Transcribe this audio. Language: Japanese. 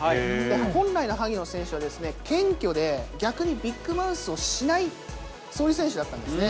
本来の萩野選手は謙虚で逆にビッグマウスをしない、そういう選手だったんですね。